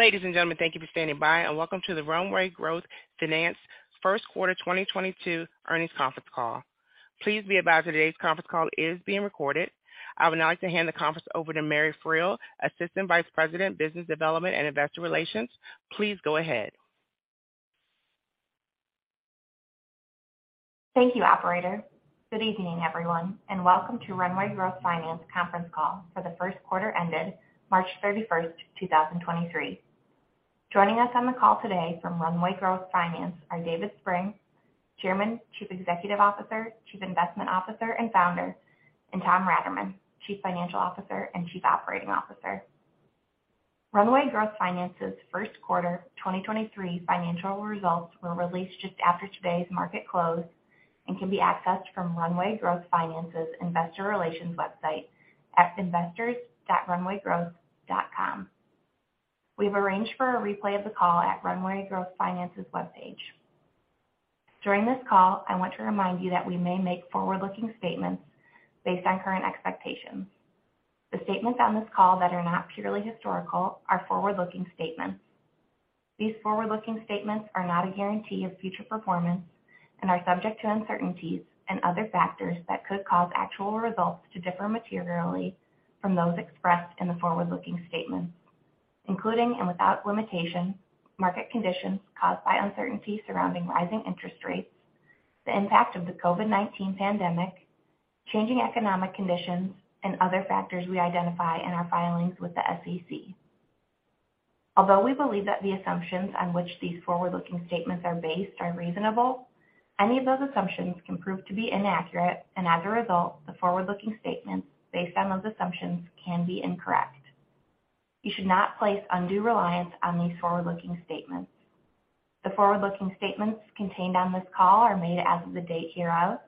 Ladies and gentlemen, thank you for standing by, and welcome to the Runway Growth Finance first quarter 2022 earnings conference call. Please be advised that today's conference call is being recorded. I would now like to hand the conference over to Mary Friel, Assistant Vice President, Business Development & Investor Relations. Please go ahead. Thank you, operator. Good evening, everyone, and welcome to Runway Growth Finance conference call for the first quarter ended March 31st, 2023. Joining us on the call today from Runway Growth Finance are David Spreng, Chairman, Chief Executive Officer, Chief Investment Officer, and Founder, and Tom Raterman, Chief Financial Officer and Chief Operating Officer. Runway Growth Finance's first quarter 2023 financial results were released just after today's market close and can be accessed from Runway Growth Finance's investor relations website at investors.runwaygrowth.com. We've arranged for a replay of the call at Runway Growth Finance's webpage. During this call, I want to remind you that we may make forward-looking statements based on current expectations. The statements on this call that are not purely historical are forward-looking statements. These forward-looking statements are not a guarantee of future performance and are subject to uncertainties and other factors that could cause actual results to differ materially from those expressed in the forward-looking statements, including and without limitation, market conditions caused by uncertainty surrounding rising interest rates, the impact of the COVID-19 pandemic, changing economic conditions, and other factors we identify in our filings with the SEC. Although we believe that the assumptions on which these forward-looking statements are based are reasonable, any of those assumptions can prove to be inaccurate, and as a result, the forward-looking statements based on those assumptions can be incorrect. You should not place undue reliance on these forward-looking statements. The forward-looking statements contained on this call are made as of the date hereof,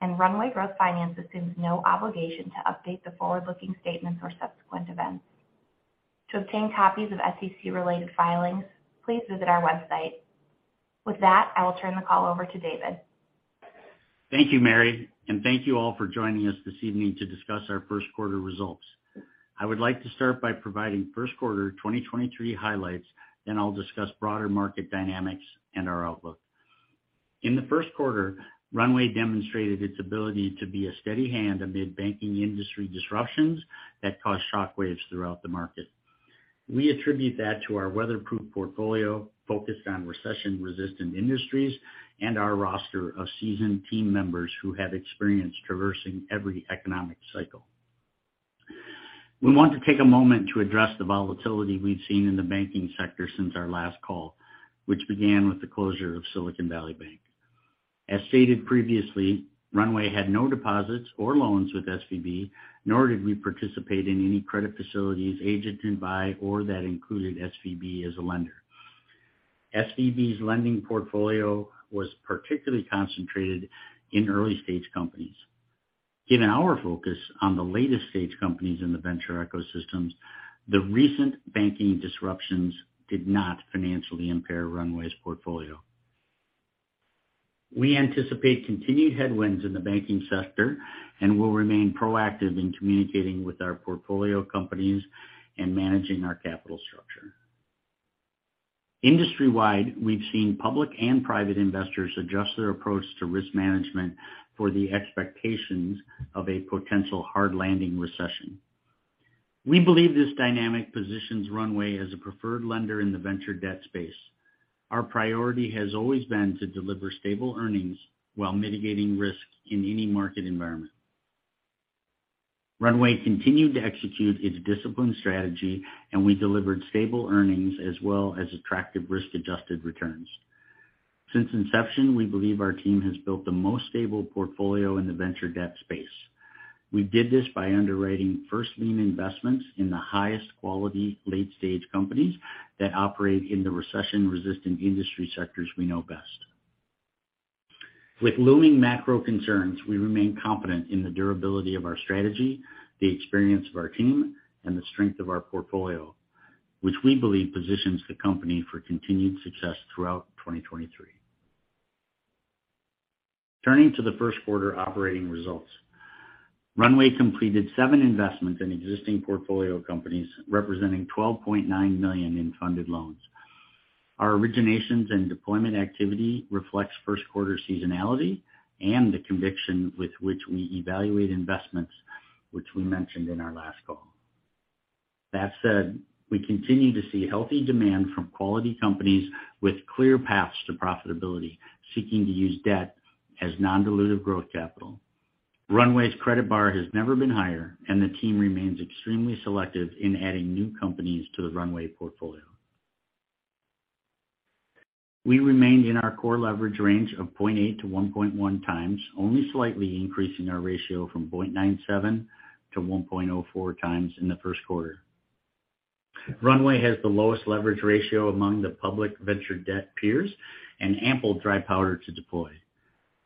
and Runway Growth Finance assumes no obligation to update the forward-looking statements or subsequent events. To obtain copies of SEC-related filings, please visit our website. With that, I will turn the call over to David. Thank you, Mary, thank you all for joining us this evening to discuss our first quarter results. I would like to start by providing first quarter 2023 highlights, then I'll discuss broader market dynamics and our outlook. In the first quarter, Runway demonstrated its ability to be a steady hand amid banking industry disruptions that caused shockwaves throughout the market. We attribute that to our weatherproof portfolio focused on recession-resistant industries and our roster of seasoned team members who have experienced traversing every economic cycle. We want to take a moment to address the volatility we've seen in the banking sector since our last call, which began with the closure of Silicon Valley Bank. As stated previously, Runway had no deposits or loans with SVB, nor did we participate in any credit facilities agented by or that included SVB as a lender. SVB's lending portfolio was particularly concentrated in early-stage companies. Given our focus on the latest stage companies in the venture ecosystems, the recent banking disruptions did not financially impair Runway's portfolio. We anticipate continued headwinds in the banking sector and will remain proactive in communicating with our portfolio companies and managing our capital structure. Industry-wide, we've seen public and private investors adjust their approach to risk management for the expectations of a potential hard landing recession. We believe this dynamic positions Runway as a preferred lender in the venture debt space. Our priority has always been to deliver stable earnings while mitigating risk in any market environment. Runway continued to execute its disciplined strategy, and we delivered stable earnings as well as attractive risk-adjusted returns. Since inception, we believe our team has built the most stable portfolio in the venture debt space. We did this by underwriting first lien investments in the highest quality late-stage companies that operate in the recession-resistant industry sectors we know best. With looming macro concerns, we remain confident in the durability of our strategy, the experience of our team, and the strength of our portfolio, which we believe positions the company for continued success throughout 2023. Turning to the first quarter operating results. Runway completed seven investments in existing portfolio companies, representing $12.9 million in funded loans. Our originations and deployment activity reflects first quarter seasonality and the conviction with which we evaluate investments, which we mentioned in our last call. That said, we continue to see healthy demand from quality companies with clear paths to profitability seeking to use debt as non-dilutive growth capital. Runway's credit bar has never been higher. The team remains extremely selective in adding new companies to the Runway portfolio. We remained in our core leverage range of 0.8x-1.1x, only slightly increasing our ratio from 0.97x-1.04x in the first quarter. Runway has the lowest leverage ratio among the public venture debt peers and ample dry powder to deploy.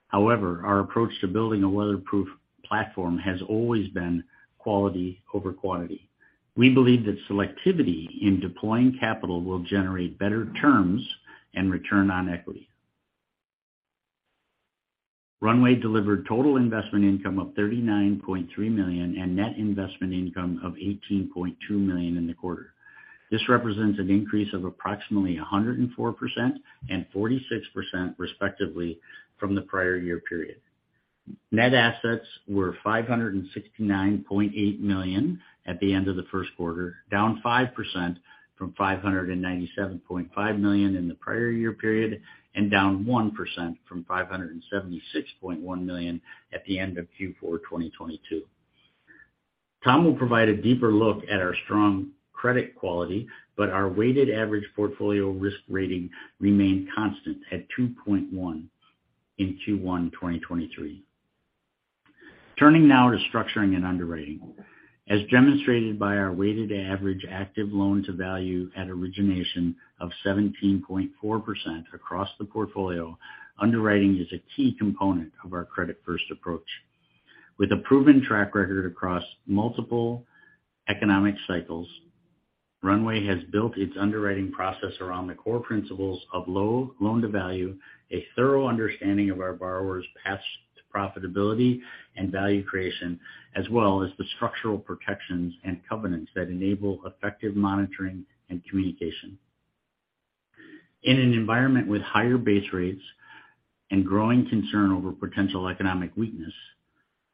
However, our approach to building a weatherproof platform has always been quality over quantity. We believe that selectivity in deploying capital will generate better terms and return on equity. Runway delivered total investment income of $39.3 million and net investment income of $18.2 million in the quarter. This represents an increase of approximately 104% and 46% respectively from the prior year period. Net assets were $569.8 million at the end of the first quarter, down 5% from $597.5 million in the prior year period and down 1% from $576.1 million at the end of Q4 2022. Tom will provide a deeper look at our strong credit quality. Our weighted average portfolio risk rating remained constant at 2.1 in Q1 2023. Turning now to structuring and underwriting. As demonstrated by our weighted average active loan to value at origination of 17.4% across the portfolio, underwriting is a key component of our credit-first approach. With a proven track record across multiple economic cycles, Runway has built its underwriting process around the core principles of low loan to value, a thorough understanding of our borrowers' paths to profitability and value creation, as well as the structural protections and covenants that enable effective monitoring and communication. In an environment with higher base rates and growing concern over potential economic weakness,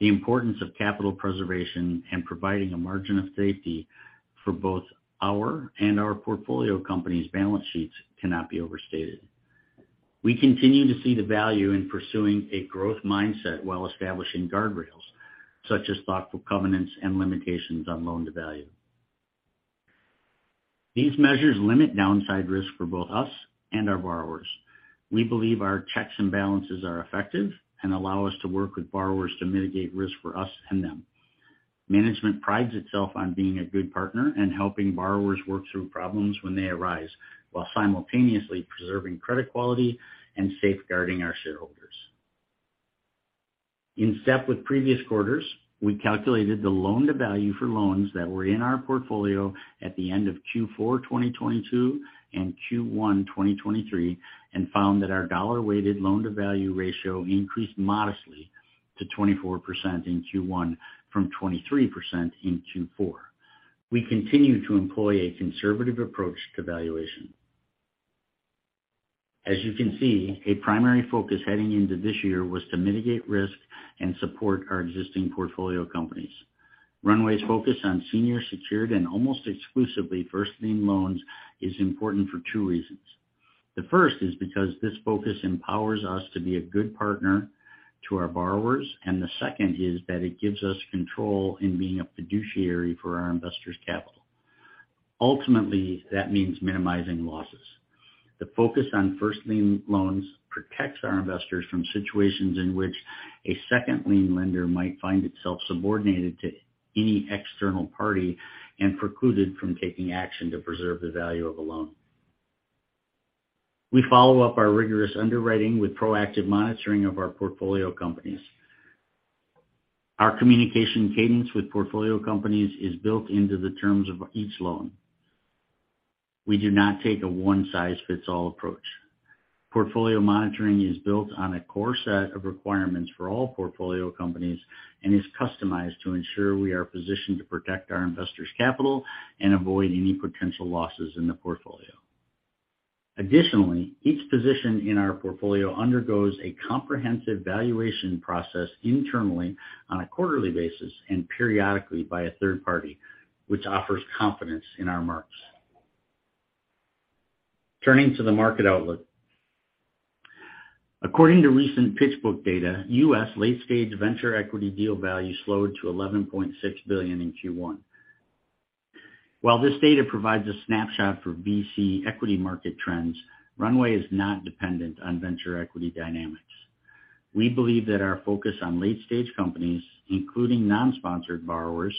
the importance of capital preservation and providing a margin of safety for both our and our portfolio companies' balance sheets cannot be overstated. We continue to see the value in pursuing a growth mindset while establishing guardrails, such as thoughtful covenants and limitations on loan to value. These measures limit downside risk for both us and our borrowers. We believe our checks and balances are effective and allow us to work with borrowers to mitigate risk for us and them. Management prides itself on being a good partner and helping borrowers work through problems when they arise, while simultaneously preserving credit quality and safeguarding our shareholders. In step with previous quarters, we calculated the loan to value for loans that were in our portfolio at the end of Q4 2022 and Q1 2023 and found that our dollar-weighted loan to value ratio increased modestly to 24% in Q1 from 23% in Q4. We continue to employ a conservative approach to valuation. As you can see, a primary focus heading into this year was to mitigate risk and support our existing portfolio companies. Runway's focus on senior secured and almost exclusively first lien loans is important for two reasons. The first is because this focus empowers us to be a good partner to our borrowers, and the second is that it gives us control in being a fiduciary for our investors' capital. Ultimately, that means minimizing losses. The focus on first lien loans protects our investors from situations in which a second lien lender might find itself subordinated to any external party and precluded from taking action to preserve the value of a loan. We follow up our rigorous underwriting with proactive monitoring of our portfolio companies. Our communication cadence with portfolio companies is built into the terms of each loan. We do not take a one-size-fits-all approach. Portfolio monitoring is built on a core set of requirements for all portfolio companies and is customized to ensure we are positioned to protect our investors' capital and avoid any potential losses in the portfolio. Additionally, each position in our portfolio undergoes a comprehensive valuation process internally on a quarterly basis and periodically by a third party, which offers confidence in our marks. Turning to the market outlook. According to recent PitchBook data, US late-stage venture equity deal value slowed to $11.6 billion in Q1. While this data provides a snapshot for VC equity market trends, Runway is not dependent on venture equity dynamics. We believe that our focus on late-stage companies, including non-sponsored borrowers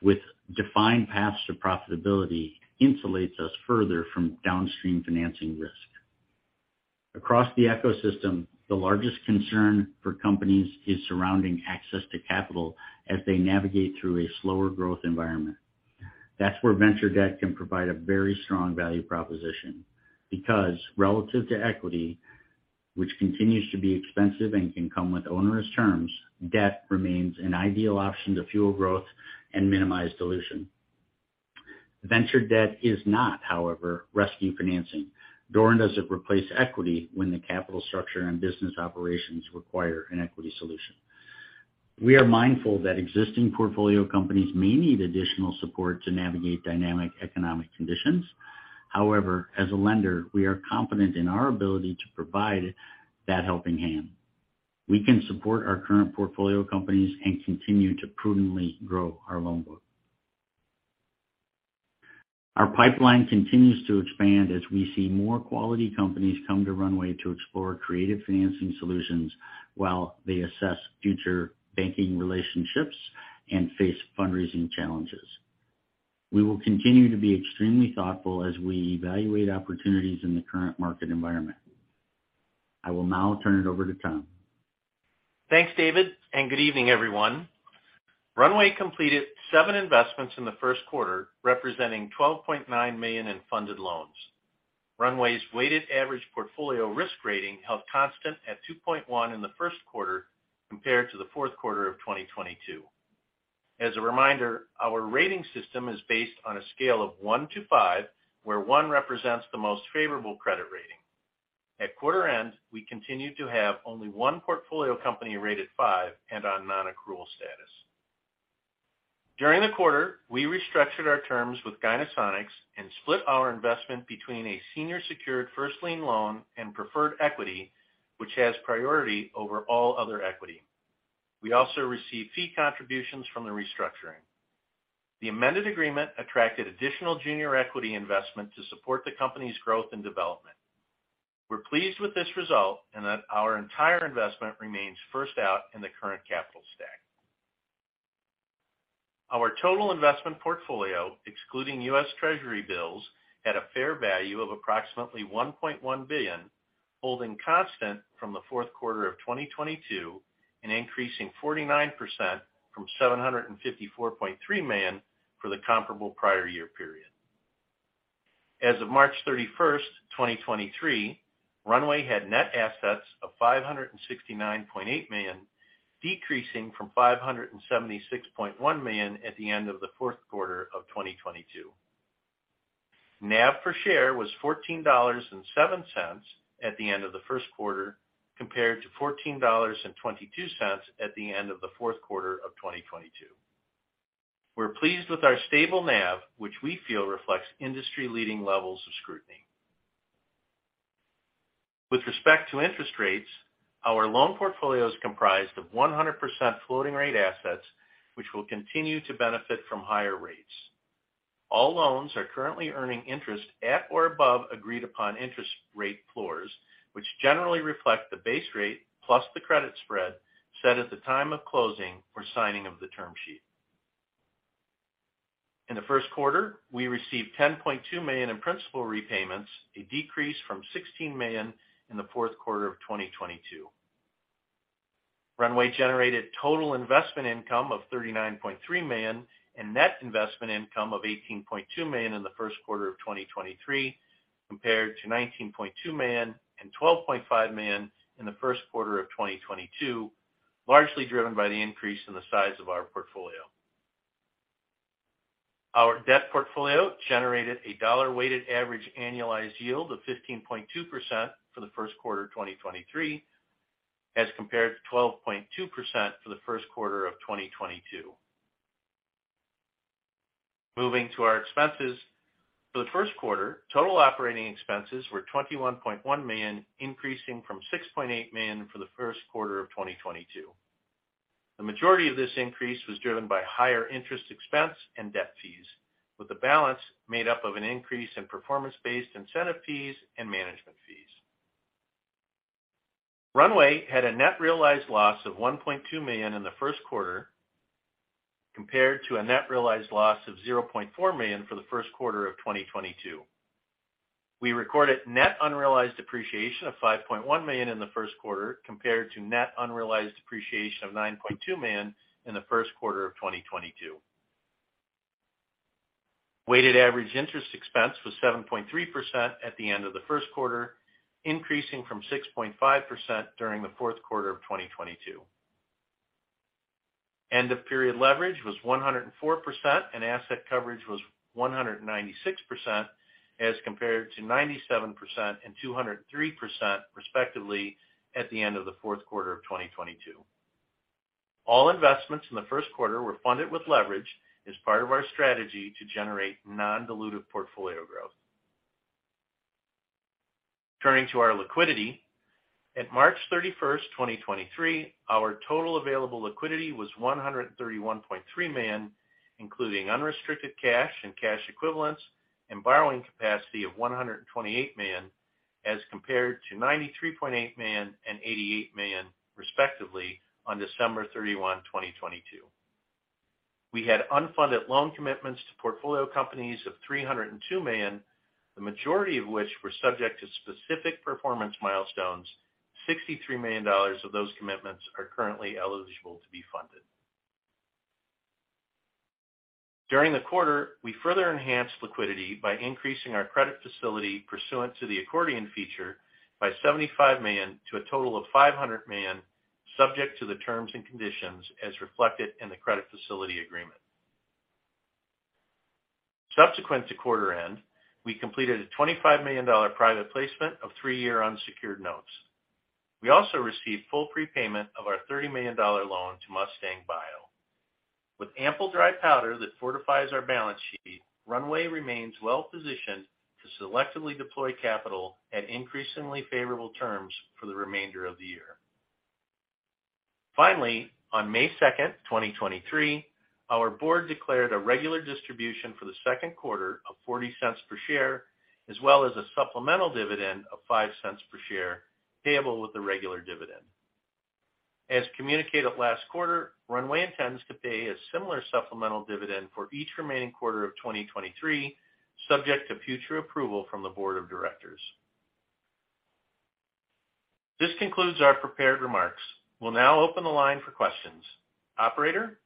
with defined paths to profitability, insulates us further from downstream financing risk. Across the ecosystem, the largest concern for companies is surrounding access to capital as they navigate through a slower growth environment. That's where venture debt can provide a very strong value proposition because relative to equity, which continues to be expensive and can come with onerous terms, debt remains an ideal option to fuel growth and minimize dilution. Venture debt is not, however, rescue financing, nor does it replace equity when the capital structure and business operations require an equity solution. We are mindful that existing portfolio companies may need additional support to navigate dynamic economic conditions. However, as a lender, we are confident in our ability to provide that helping hand. We can support our current portfolio companies and continue to prudently grow our loan book. Our pipeline continues to expand as we see more quality companies come to Runway to explore creative financing solutions while they assess future banking relationships and face fundraising challenges. We will continue to be extremely thoughtful as we evaluate opportunities in the current market environment. I will now turn it over to Tom. Thanks, David, and good evening, everyone. Runway completed 7 investments in the first quarter, representing $12.9 million in funded loans. Runway's weighted average portfolio risk rating held constant at 2.1 in the first quarter compared to the fourth quarter of 2022. As a reminder, our rating system is based on a scale of 1 to 5, where 1 represents the most favorable credit rating. At quarter end, we continued to have only 1 portfolio company rated 5 and on non-accrual status. During the quarter, we restructured our terms with Gynesonics and split our investment between a senior secured first lien loan and preferred equity, which has priority over all other equity. We also received fee contributions from the restructuring. The amended agreement attracted additional junior equity investment to support the company's growth and development. We're pleased with this result and that our entire investment remains first out in the current capital stack. Our total investment portfolio, excluding US Treasury bills, had a fair value of approximately $1.1 billion, holding constant from the fourth quarter of 2022 and increasing 49% from $754.3 million for the comparable prior year period. As of March 31st, 2023, Runway had net assets of $569.8 million, decreasing from $576.1 million at the end of the fourth quarter of 2022. NAV per share was $14.07 at the end of the first quarter, compared to $14.22 at the end of the fourth quarter of 2022. We're pleased with our stable NAV, which we feel reflects industry-leading levels of scrutiny. With respect to interest rates, our loan portfolio is comprised of 100% floating rate assets, which will continue to benefit from higher rates. All loans are currently earning interest at or above agreed-upon interest rate floors, which generally reflect the base rate plus the credit spread set at the time of closing or signing of the term sheet. In the first quarter, we received $10.2 million in principal repayments, a decrease from $16 million in the fourth quarter of 2022. Runway generated total investment income of $39.3 million and net investment income of $18.2 million in the first quarter of 2023, compared to $19.2 million and $12.5 million in the first quarter of 2022, largely driven by the increase in the size of our portfolio. Our debt portfolio generated a dollar weighted average annualized yield of 15.2% for the first quarter of 2023, as compared to 12.2% for the first quarter of 2022. Moving to our expenses. For the first quarter, total operating expenses were $21.1 million, increasing from $6.8 million for the first quarter of 2022. The majority of this increase was driven by higher interest expense and debt fees, with the balance made up of an increase in performance-based incentive fees and management fees. Runway had a net realized loss of $1.2 million in the first quarter, compared to a net realized loss of $0.4 million for the first quarter of 2022. We recorded net unrealized appreciation of $5.1 million in the first quarter, compared to net unrealized appreciation of $9.2 million in the first quarter of 2022. Weighted average interest expense was 7.3% at the end of the first quarter, increasing from 6.5% during the fourth quarter of 2022. End-of-period leverage was 104%, and asset coverage was 196%, as compared to 97% and 203%, respectively, at the end of the fourth quarter of 2022. All investments in the first quarter were funded with leverage as part of our strategy to generate non-dilutive portfolio growth. Turning to our liquidity. At March 31, 2023, our total available liquidity was $131.3 million, including unrestricted cash and cash equivalents and borrowing capacity of $128 million, as compared to $93.8 million and $88 million, respectively, on December 31, 2022. We had unfunded loan commitments to portfolio companies of $302 million, the majority of which were subject to specific performance milestones. $63 million of those commitments are currently eligible to be funded. During the quarter, we further enhanced liquidity by increasing our credit facility pursuant to the accordion feature by $75 million to a total of $500 million, subject to the terms and conditions as reflected in the credit facility agreement. Subsequent to quarter end, we completed a $25 million private placement of 3-year unsecured notes. We also received full prepayment of our $30 million loan to Mustang Bio. With ample dry powder that fortifies our balance sheet, Runway remains well-positioned to selectively deploy capital at increasingly favorable terms for the remainder of the year. Finally, on May second, 2023, our board declared a regular distribution for the second quarter of $0.40 per share, as well as a supplemental dividend of $0.05 per share, payable with the regular dividend. As communicated last quarter, Runway intends to pay a similar supplemental dividend for each remaining quarter of 2023, subject to future approval from the Board of Directors. This concludes our prepared remarks. We'll now open the line for questions. Operator?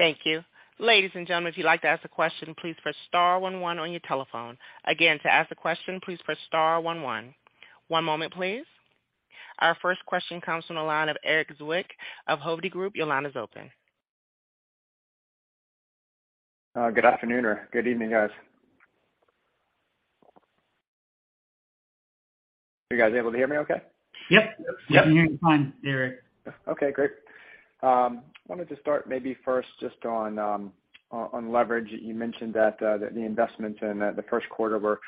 Thank you. Ladies and gentlemen, if you'd like to ask a question, please press star one one on your telephone. Again, to ask a question, please press star one one. One moment please. Our first question comes from the line of Erik Zwick of Hovde Group. Your line is open. Good afternoon or good evening, guys. You guys able to hear me okay? Yep. Yep. We can hear you fine, Erik. Okay, great. wanted to start maybe first just on leverage. You mentioned that the investments in the first quarter were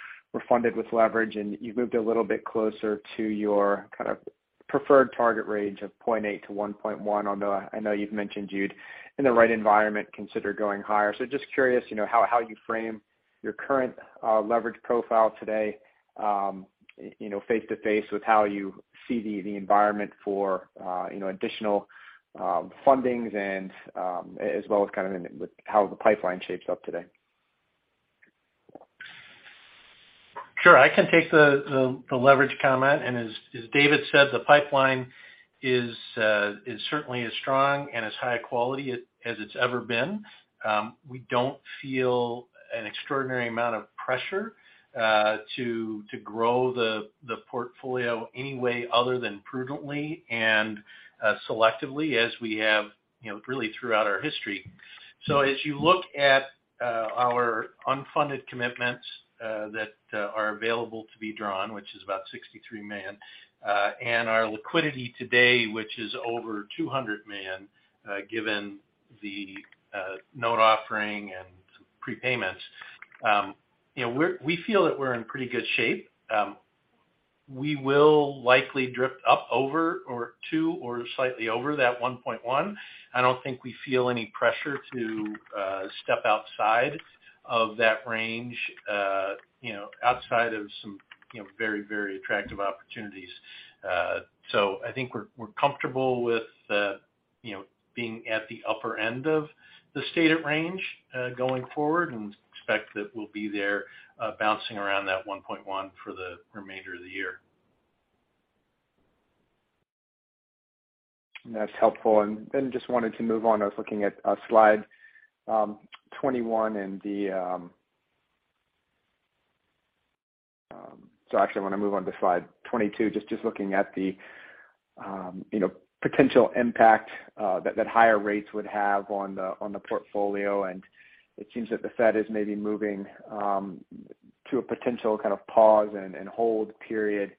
funded with leverage, and you moved a little bit closer to your kind of preferred target range of 0.8-1.1, although I know you've mentioned you'd, in the right environment, consider going higher. just curious, you know, how you frame your current leverage profile today, you know, face to face with how you see the environment for, you know, additional fundings and as well as kind of with how the pipeline shapes up today. Sure. I can take the leverage comment. As David said, the pipeline is certainly as strong and as high quality as it's ever been. We don't feel an extraordinary amount of pressure to grow the portfolio any way other than prudently and selectively as we have, you know, really throughout our history. As you look at our unfunded commitments that are available to be drawn, which is about $63 million, and our liquidity today, which is over $200 million, given the note offering and prepayments, you know, we feel that we're in pretty good shape. We will likely drift up over or to or slightly over that 1.1. I don't think we feel any pressure to step outside of that range, you know, outside of some, you know, very, very attractive opportunities. I think we're comfortable with, you know, being at the upper end of the stated range going forward and expect that we'll be there bouncing around that 1.1 for the remainder of the year. That's helpful. Then just wanted to move on. I was looking at slide 21 and the. Actually I wanna move on to slide 22, just looking at the, you know, potential impact that higher rates would have on the portfolio. It seems that the Fed is maybe moving to a potential kind of pause and hold period.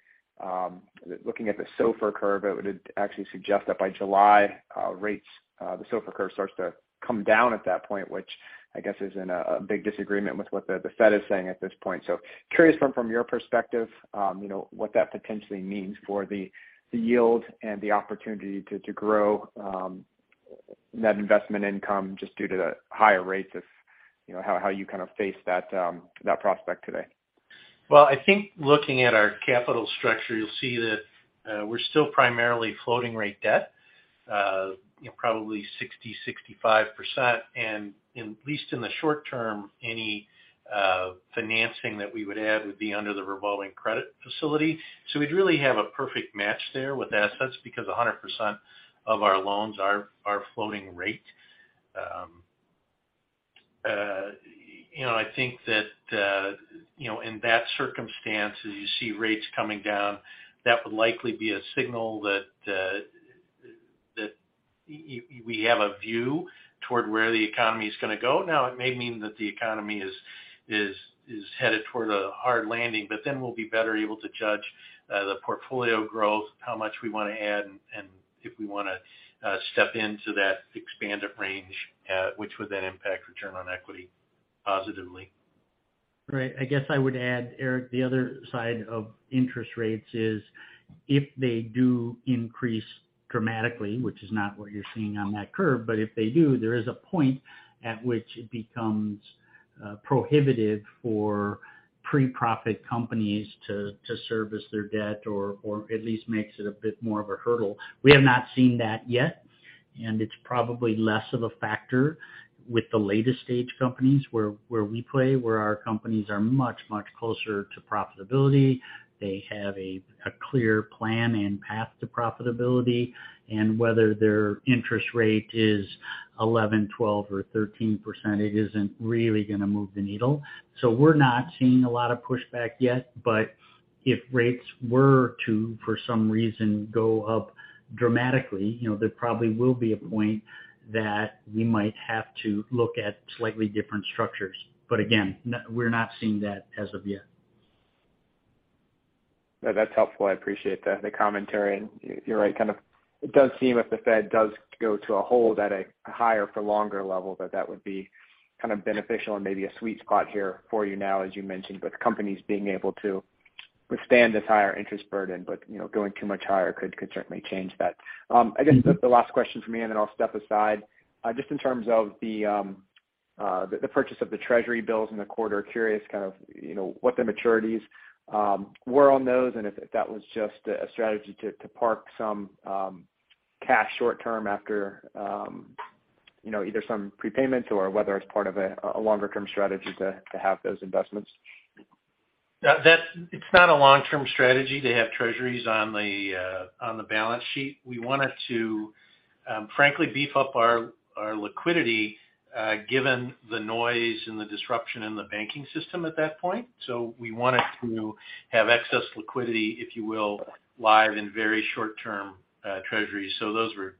Looking at the SOFR curve, it would actually suggest that by July, rates, the SOFR curve starts to come down at that point, which I guess is in a big disagreement with what the Fed is saying at this point. Curious from your perspective, you know, what that potentially means for the yield and the opportunity to grow net investment income just due to the higher rates of, you know, how you kind of face that prospect today. I think looking at our capital structure, you'll see that we're still primarily floating rate debt, you know, probably 60%-65%. In least in the short term, any financing that we would add would be under the revolving credit facility. So we'd really have a perfect match there with assets because 100% of our loans are floating rate. You know, I think that, you know, in that circumstance, as you see rates coming down, that would likely be a signal that we have a view toward where the economy is gonna go. It may mean that the economy is headed toward a hard landing, we'll be better able to judge the portfolio growth, how much we wanna add, and if we wanna step into that expanded range, which would then impact return on equity positively. Right. I guess I would add, Erik, the other side of interest rates is if they do increase dramatically, which is not what you're seeing on that curve, but if they do, there is a point at which it becomes prohibitive for pre-profit companies to service their debt or at least makes it a bit more of a hurdle. We have not seen that yet, and it's probably less of a factor with the latest stage companies where we play, where our companies are much closer to profitability. They have a clear plan and path to profitability. Whether their interest rate is 11%, 12%, or 13%, it isn't really gonna move the needle. We're not seeing a lot of pushback yet. If rates were to, for some reason, go up dramatically, you know, there probably will be a point that we might have to look at slightly different structures. Again, we're not seeing that as of yet. That's helpful. I appreciate the commentary. You're right, kind of it does seem if the Fed does go to a hold at a higher for longer level, that that would be kind of beneficial and maybe a sweet spot here for you now, as you mentioned, with companies being able to withstand this higher interest burden. You know, going too much higher could certainly change that. I guess the last question from me, and then I'll step aside. Just in terms of the purchase of the Treasury bills in the quarter, curious kind of, you know, what the maturities were on those and if that was just a strategy to park some cash short term after You know, either some prepayments or whether it's part of a longer-term strategy to have those investments. It's not a long-term strategy to have treasuries on the balance sheet. We wanted to, frankly, beef up our liquidity, given the noise and the disruption in the banking system at that point. We wanted to have excess liquidity, if you will, live in very short term treasuries. Those were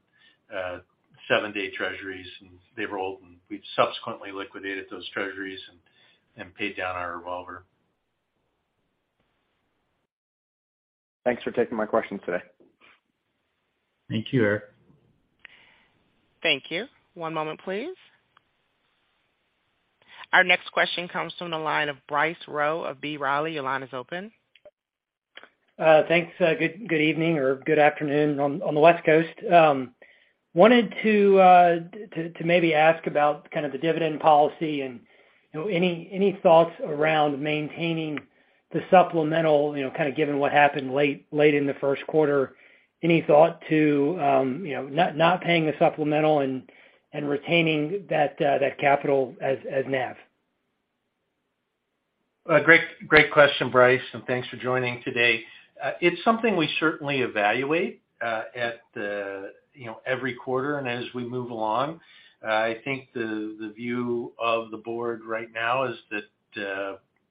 7-day treasuries, and they rolled, and we'd subsequently liquidated those treasuries and paid down our revolver. Thanks for taking my question today. Thank you, Erik. Thank you. One moment, please. Our next question comes from the line of Bryce Rowe of B. Riley. Your line is open. Thanks. Good evening or good afternoon on the West Coast. Wanted to maybe ask about kind of the dividend policy and, you know, any thoughts around maintaining the supplemental, you know, kind of given what happened late in the first quarter. Any thought to, you know, not paying the supplemental and retaining that capital as NAV? Great question, Bryce, and thanks for joining today. It's something we certainly evaluate, you know, every quarter and as we move along. I think the view of the board right now is that,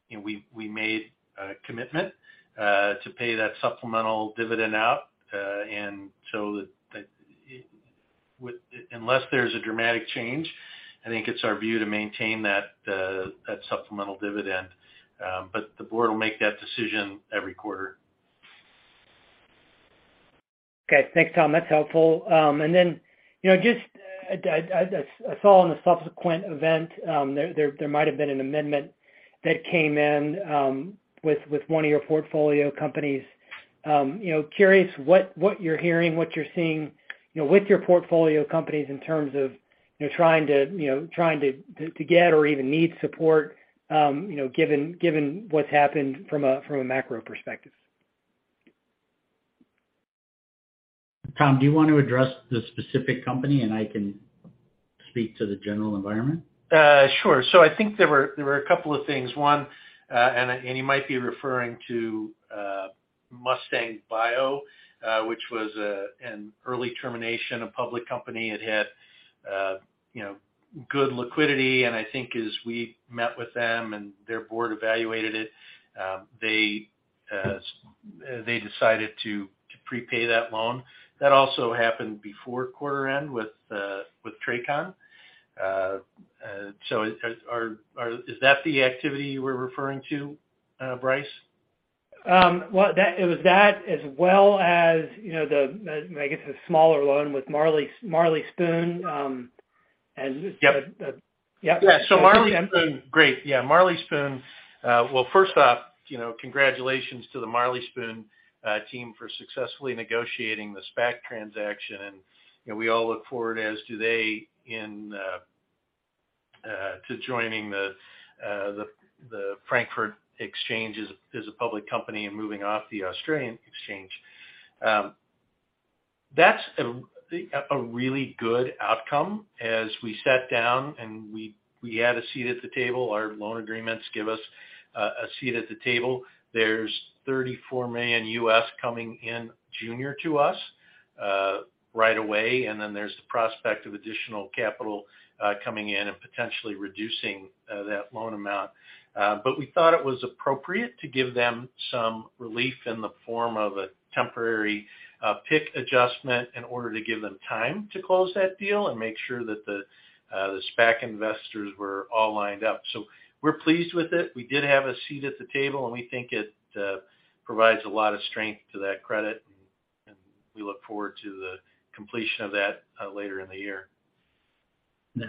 you know, we made a commitment to pay that supplemental dividend out, and so that, unless there's a dramatic change, I think it's our view to maintain that supplemental dividend. The board will make that decision every quarter. Okay. Thanks, Tom. That's helpful. You know, just I saw in the subsequent event, there might have been an amendment that came in, with one of your portfolio companies. You know, curious what you're hearing, what you're seeing, you know, with your portfolio companies in terms of, you know, trying to, you know, trying to get or even need support, you know, given what's happened from a macro perspective. Tom, do you want to address the specific company, and I can speak to the general environment? Sure. I think there were a couple of things. One, and you might be referring to Mustang Bio, which was an early termination of public company. It had, you know, good liquidity, and I think as we met with them and their board evaluated it, they decided to prepay that loan. That also happened before quarter end with TRACON. Is that the activity you were referring to, Bryce? Well, it was that as well as, you know, the smaller loan with Marley Spoon. Yeah. Yeah. oon. Well, first off, you know, congratulations to the Marley Spoon team for successfully negotiating the SPAC transaction. And, you know, we all look forward, as do they, to joining the Frankfurt Exchange as a public company and moving off the Australian Exchange. That's a really good outcome as we sat down and we had a seat at the table. Our loan agreements give us a seat at the table. There's $34 million U.S. coming in junior to us right away, and then there's the prospect of additional capital coming in and potentially reducing that loan amount. We thought it was appropriate to give them some relief in the form of a temporary PIK adjustment in order to give them time to close that deal and make sure that the SPAC investors were all lined up. We're pleased with it. We did have a seat at the table, and we think it provides a lot of strength to that credit, and we look forward to the completion of that later in the year.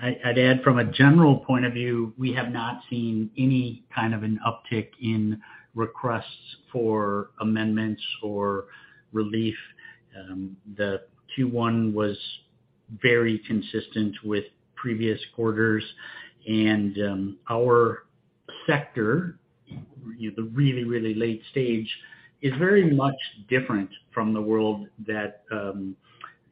I'd add from a general point of view, we have not seen any kind of an uptick in requests for amendments or relief. The Q1 was very consistent with previous quarters, and our sector, the really, really late stage, is very much different from the world that,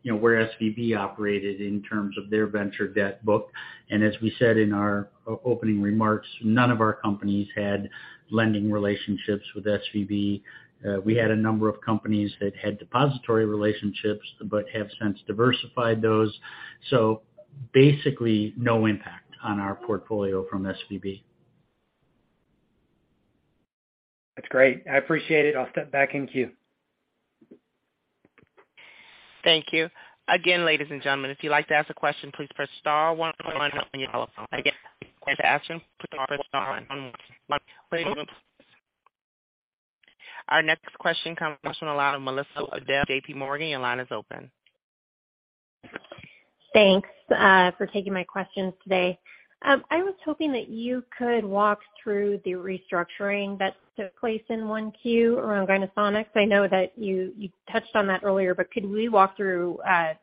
you know, where SVB operated in terms of their venture debt book. As we said in our opening remarks, none of our companies had lending relationships with SVB. We had a number of companies that had depository relationships but have since diversified those. Basically no impact on our portfolio from SVB. That's great. I appreciate it. I'll step back in queue. Thank you. Again, ladies and gentlemen, if you'd like to ask a question, please press star one on your telephone. Again, to ask a question, press star one. Our next question comes from the line of Melissa Wedel, JPMorgan. Your line is open. Thanks for taking my questions today. I was hoping that you could walk through the restructuring that took place in 1Q around Gynesonics. I know that you touched on that earlier, but could we walk through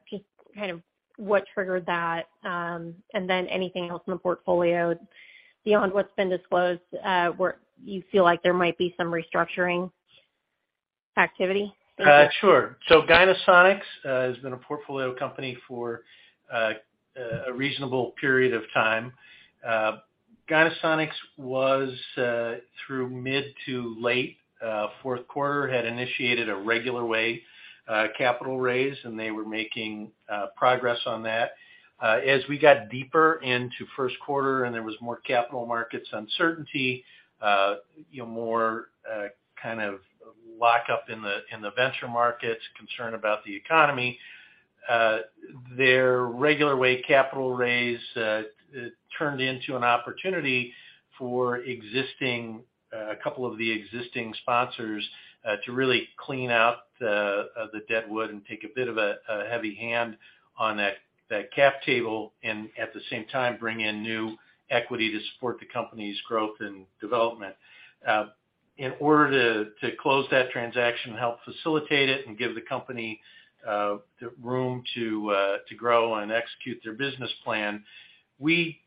just kind of what triggered that? Anything else in the portfolio beyond what's been disclosed, where you feel like there might be some restructuring activity? Sure. Gynesonics has been a portfolio company for a reasonable period of time. Gynesonics was through mid to late fourth quarter, had initiated a regular way capital raise, and they were making progress on that. As we got deeper into first quarter and there was more capital markets uncertainty, you know, more kind of lockup in the venture markets, concern about the economy, their regular way capital raise turned into an opportunity for existing a couple of the existing sponsors to really clean out the deadwood and take a bit of a heavy hand on that cap table and, at the same time, bring in new equity to support the company's growth and development. In order to close that transaction and help facilitate it and give the company the room to grow and execute their business plan, we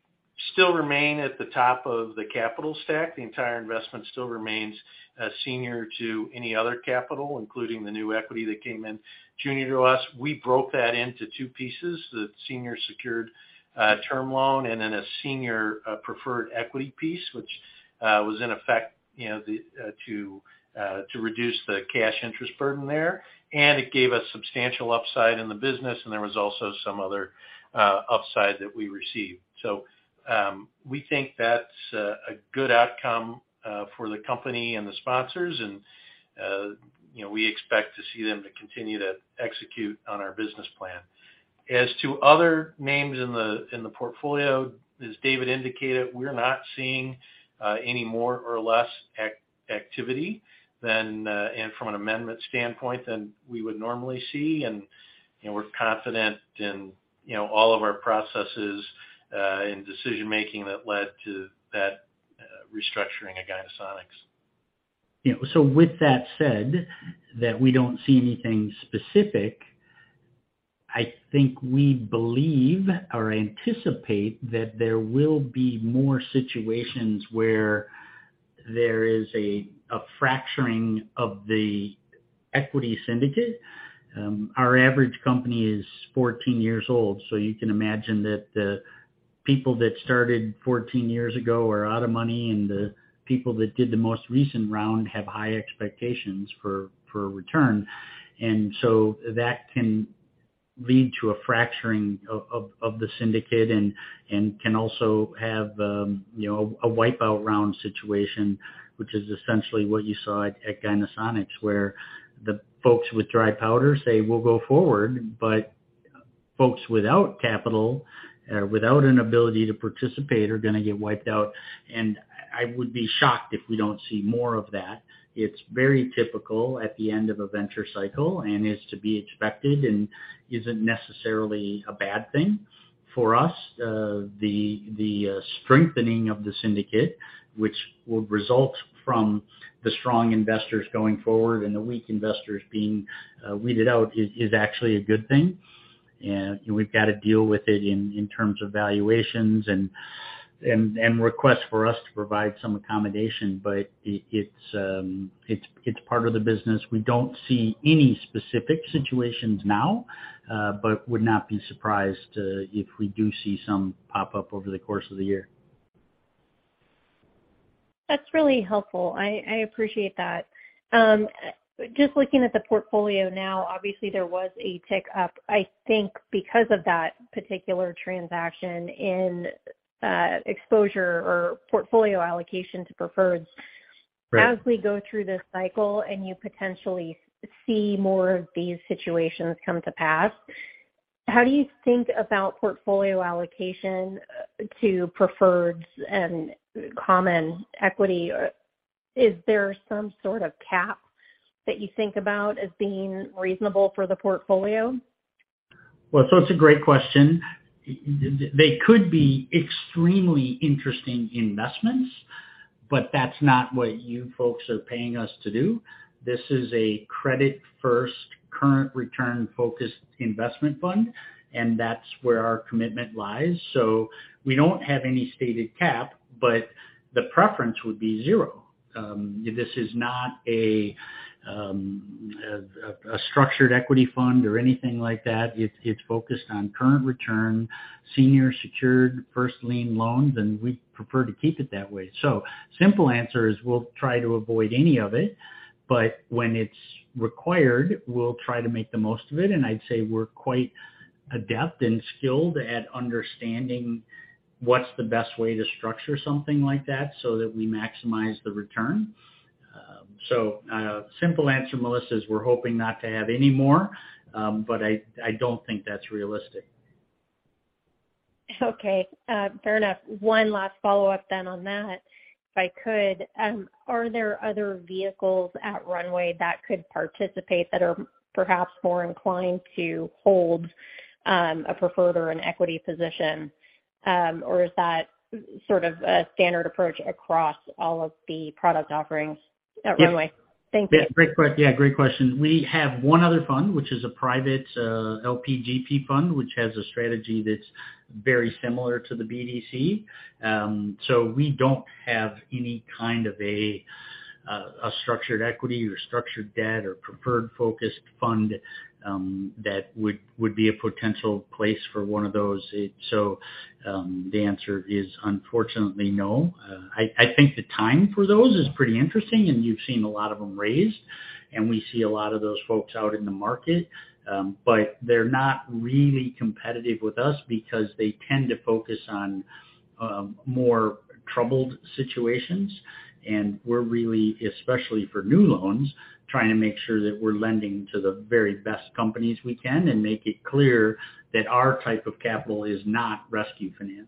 still remain at the top of the capital stack. The entire investment still remains senior to any other capital, including the new equity that came in junior to us. We broke that into 2 pieces, the senior secured term loan and then a senior preferred equity piece, which was in effect, you know, to reduce the cash interest burden there. It gave us substantial upside in the business, and there was also some other upside that we received. We think that's a good outcome for the company and the sponsors and, you know, we expect to see them to continue to execute on our business plan. As to other names in the portfolio, as David indicated, we're not seeing any more or less activity than from an amendment standpoint than we would normally see. You know, we're confident in, you know, all of our processes and decision-making that led to that restructuring of Gynesonics. You know, with that said, that we don't see anything specific, I think we believe or anticipate that there will be more situations where there is a fracturing of the equity syndicate. Our average company is 14 years old, so you can imagine that the people that started 14 years ago are out of money and the people that did the most recent round have high expectations for return. That can lead to a fracturing of the syndicate and can also have, you know, a wipeout round situation, which is essentially what you saw at Gynesonics, where the folks with dry powder say, "We'll go forward," but folks without capital, without an ability to participate are gonna get wiped out. I would be shocked if we don't see more of that. It's very typical at the end of a venture cycle and is to be expected and isn't necessarily a bad thing for us. The strengthening of the syndicate, which will result from the strong investors going forward and the weak investors being weeded out is actually a good thing. We've got to deal with it in terms of valuations and requests for us to provide some accommodation. It's, it's part of the business. We don't see any specific situations now, but would not be surprised if we do see some pop up over the course of the year. That's really helpful. I appreciate that. Just looking at the portfolio now, obviously there was a tick up, I think because of that particular transaction in exposure or portfolio allocation to preferred. Right. As we go through this cycle and you potentially see more of these situations come to pass, how do you think about portfolio allocation to preferreds and common equity? Is there some sort of cap that you think about as being reasonable for the portfolio? It's a great question. They could be extremely interesting investments, but that's not what you folks are paying us to do. This is a credit-first, current return-focused investment fund, and that's where our commitment lies. We don't have any stated cap, but the preference would be zero. This is not a structured equity fund or anything like that. It's focused on current return, senior secured first lien loans, and we'd prefer to keep it that way. Simple answer is we'll try to avoid any of it, but when it's required, we'll try to make the most of it. I'd say we're quite adept and skilled at understanding what's the best way to structure something like that so that we maximize the return. Simple answer, Melissa, is we're hoping not to have any more, but I don't think that's realistic. Fair enough. One last follow-up then on that, if I could. Are there other vehicles at Runway that could participate that are perhaps more inclined to hold a preferred or an equity position? Is that sort of a standard approach across all of the product offerings at Runway? Yes. Thank you. Yeah, great question. We have one other fund, which is a private LP/GP fund, which has a strategy that's very similar to the BDC. We don't have any kind of a structured equity or structured debt or preferred focused fund that would be a potential place for one of those. The answer is unfortunately no. I think the time for those is pretty interesting and you've seen a lot of them raised, and we see a lot of those folks out in the market. They're not really competitive with us because they tend to focus on more troubled situations. We're really, especially for new loans, trying to make sure that we're lending to the very best companies we can and make it clear that our type of capital is not rescue finance.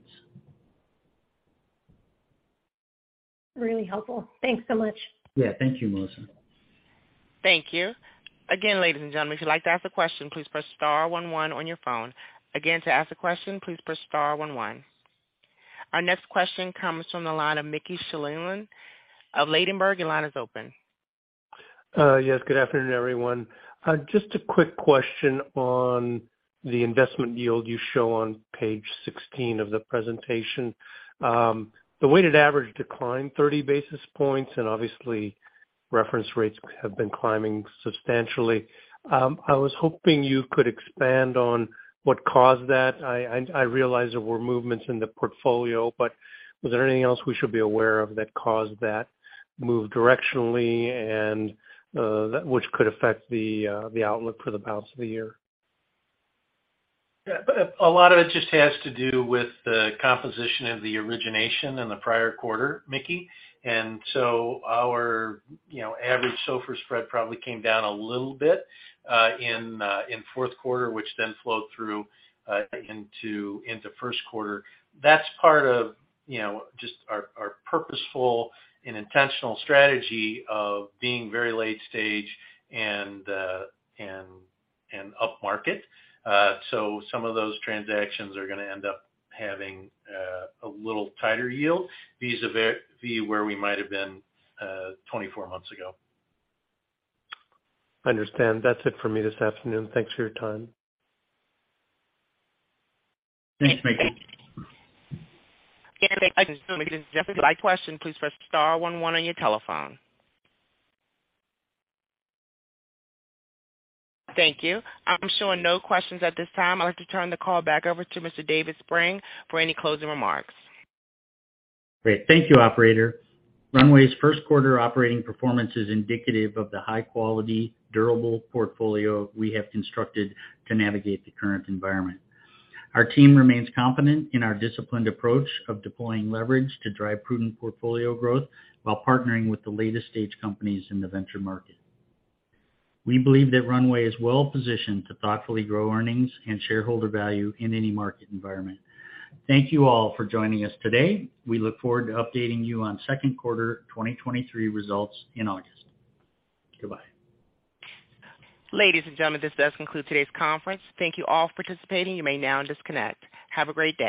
Really helpful. Thanks so much. Yeah. Thank you, Melissa. Thank you. Again, ladies and gentlemen, if you'd like to ask a question, please press star 11 on your phone. Again, to ask a question, please press star 11. Our next question comes from the line of Mickey Schleien of Ladenburg Thalmann. Your line is open. Yes. Good afternoon, everyone. Just a quick question on the investment yield you show on page 16 of the presentation. The weighted average declined 30 basis points and obviously reference rates have been climbing substantially. I was hoping you could expand on what caused that. I realize there were movements in the portfolio, but was there anything else we should be aware of that caused that move directionally and which could affect the outlook for the balance of the year? Yeah. A lot of it just has to do with the composition of the origination in the prior quarter, Mickey. Our, you know, average SOFR spread probably came down a little bit in fourth quarter, which then flowed through into first quarter. That's part of, you know, just our purposeful and intentional strategy of being very late stage and upmarket. Some of those transactions are gonna end up having a little tighter yield vis-à-vis where we might have been 24 months ago. I understand. That's it for me this afternoon. Thanks for your time. Thanks, Mickey. Like question, please press star one one on your telephone. Thank you. I'm showing no questions at this time. I'd like to turn the call back over to Mr. David Spreng for any closing remarks. Great. Thank you, operator. Runway's first quarter operating performance is indicative of the high quality, durable portfolio we have constructed to navigate the current environment. Our team remains confident in our disciplined approach of deploying leverage to drive prudent portfolio growth while partnering with the latest stage companies in the venture market. We believe that Runway is well positioned to thoughtfully grow earnings and shareholder value in any market environment. Thank you all for joining us today. We look forward to updating you on second quarter 2023 results in August. Goodbye. Ladies and gentlemen, this does conclude today's conference. Thank you all for participating. You may now disconnect. Have a great day.